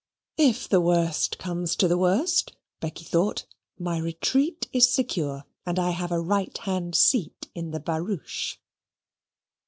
"If the worst comes to the worst," Becky thought, "my retreat is secure; and I have a right hand seat in the barouche."